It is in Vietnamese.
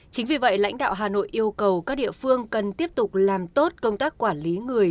chính vì vậy lãnh đạo hà nội yêu cầu các địa phương cần tiếp tục làm tốt công tác quản lý người